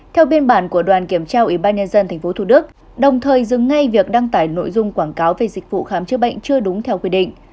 theo biên bản của đoàn kiểm trao ủy ban nhân dân tp hcm đồng thời dừng ngay việc đăng tải nội dung quảng cáo về dịch vụ khám chức bệnh chưa đúng theo quy định